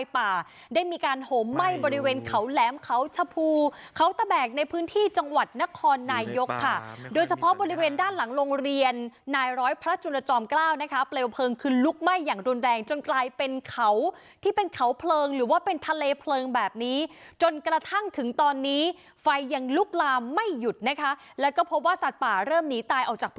ป่าได้มีการโหมไหม้บริเวณเขาแหลมเขาชะพูเขาตะแบกในพื้นที่จังหวัดนครนายกค่ะโดยเฉพาะบริเวณด้านหลังโรงเรียนนายร้อยพระจุลจอมเกล้านะคะเปลวเพลิงคือลุกไหม้อย่างรุนแรงจนกลายเป็นเขาที่เป็นเขาเพลิงหรือว่าเป็นทะเลเพลิงแบบนี้จนกระทั่งถึงตอนนี้ไฟยังลุกลามไม่หยุดนะคะแล้วก็พบว่าสัตว์ป่าเริ่มหนีตายออกจากพ